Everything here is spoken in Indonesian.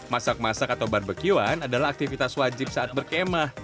masak masak atau barbecuan adalah aktivitas wajib saat berkemah